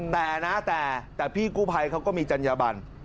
แต่นะแต่พี่กู้ภัยเขาก็มีจัญญบัน